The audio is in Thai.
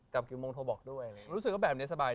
กลับกี่โมงโทรบอกด้วย